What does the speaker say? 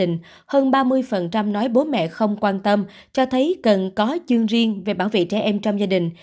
hơn ba mươi nói bố mẹ không quan tâm cho thấy cần có chương riêng về bảo vệ trẻ em trong gia đình